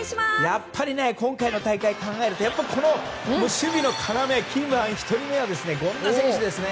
やっぱり今回の大会を考えるとこの守備の要、キーマンの権田選手ですね。